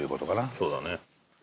そうだね。